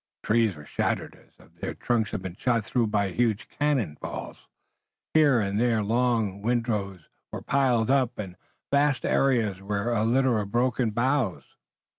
Trees were shattered as if their trunks had been shot through by huge cannon balls. Here and there long windrows were piled up, and vast areas were a litter of broken boughs.